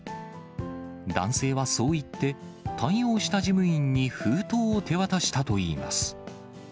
男性はそう言って、対応した事務員に封筒を手渡したといいます。